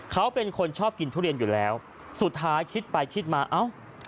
เขาเป็นคนชอบกินทุเรียนอยู่แล้วสุดท้ายคิดไปคิดมาเอ้า